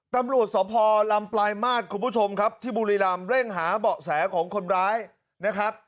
ตำรวจสพลำปลายมาตรคุณผู้ชมครับที่บุรีรำเร่งหาเบาะแสของคนร้ายนะครับ